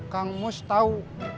kang mus tahu